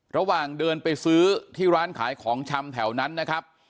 ระหว่างเดินไปซื้อที่ร้านขายของชำแถวนั้นนะครับ